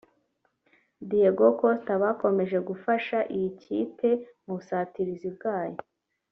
Diego Costa bakomeje gufasha iyi kipe mu busatirizi bwayo